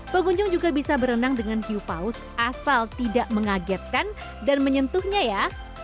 pengunjung juga bisa berenang dengan hiu paus asal tidak mengagetkan dan menyentuhnya ya